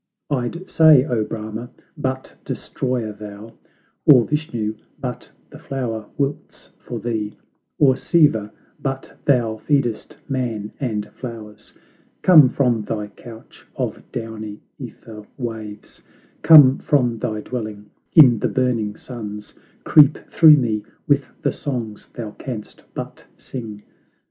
I'd say, O Brahma, but destroyer thou; Or Vishnu, but the flower wilts for thee; Or Siva, but thou feedest man and flowers; Come from thy couch of downy ^ther waves, Come from thy dwelling in the burning suns, Creep through me with the songs thou canst but sing.